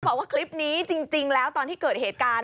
บอกว่าคลิปนี้จริงแล้วตอนที่เกิดเหตุการณ์